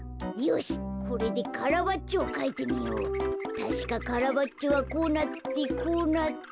たしかカラバッチョはこうなってこうなって。